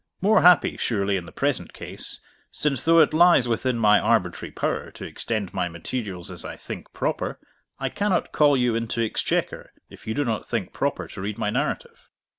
More happy surely in the present case, since, though it lies within my arbitrary power to extend my materials as I think proper, I cannot call you into Exchequer if you do not think proper to read my narrative.